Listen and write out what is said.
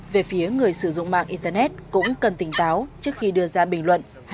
về phía người sử dụng mạng internet cũng cần tỉnh táo trước khi đưa ra bình luận